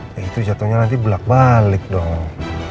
nah itu jatuhnya nanti belak balik dong